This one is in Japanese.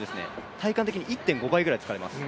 体感的に１．５倍ぐらい疲れます。